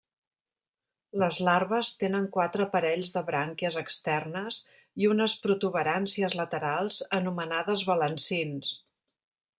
Les larves tenen quatre parells de brànquies externes i unes protuberàncies laterals anomenades balancins.